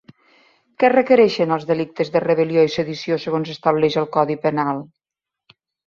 Què requereixen els delictes de rebel·lió i sedició segons estableix el codi penal?